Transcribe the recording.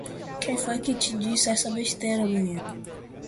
Quem foi que te disse essa besteira menina?